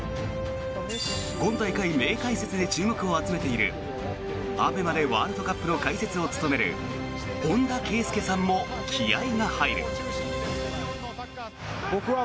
今大会名解説で注目を集めているＡＢＥＭＡでワールドカップの解説を務める本田圭佑さんも気合が入る。